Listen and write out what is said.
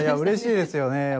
嬉しいですよね。